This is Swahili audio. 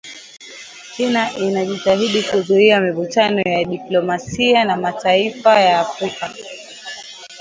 China inajitahidi kuzuia mivutano ya kidiplomasia na mataifa ya Afrika